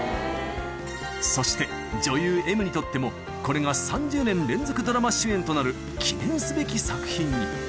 そして女優Ｍにとっても、これが３０年連続ドラマ主演となる記念すべき作品に。